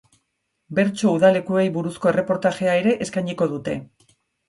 Bertso udalekuei buruzko erreportajea ere eskainiko dute.